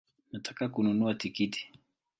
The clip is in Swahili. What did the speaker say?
Nataka kununua tikiti